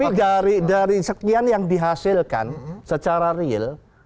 ya tapi dari sekian yang dihasilkan secara real